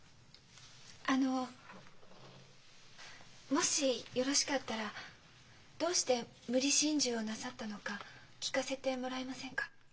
あのもしよろしかったらどうして無理心中をなさったのか聞かせてもらえませんか？